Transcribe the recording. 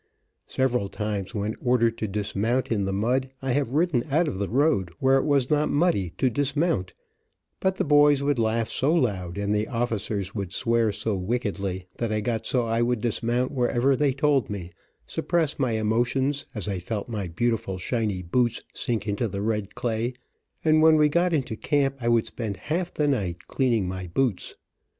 Several times when ordered to dismount in the mud, I have ridden out of the road, where it was not muddy, to dismount, but the boys would laugh so loud, and the officers would swear so wickedly, that I got so I would dismount wherever they told me, suppress my emotions, as I felt my beautiful, shiny boots sink into the red clay, and when we got into camp I would spend half the night cleaning my boots.